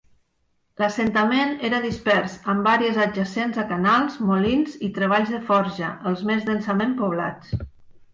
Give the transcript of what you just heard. L'assentament era dispers, amb àrees adjacents a canals, molins i treballs de forja, els més densament poblats.